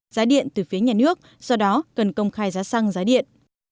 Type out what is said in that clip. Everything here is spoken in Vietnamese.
giá điện từ phía nhà nước do đó cần công khai giá xăng giá điện